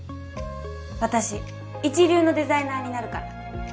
私一流のデザイナーになるから！